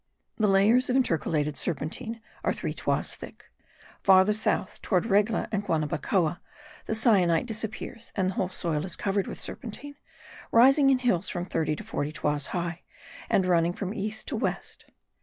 The layers of intercalated serpentine are three toises thick. Farther south, towards Regla and Guanabacoa, the syenite disappears, and the whole soil is covered with serpentine, rising in hills from thirty to forty toises high, and running from east to west.